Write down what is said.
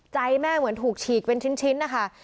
ใจแม่เหมือนถูกฉีกเป็นชิ้นนะคะ